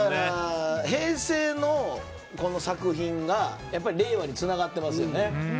平成のこの作品が令和につながってますよね。